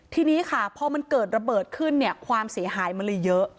ทีนี้ค่ะพอมันเกิดระเบิดขึ้นเนี่ยความเสียหายมันเลยเยอะ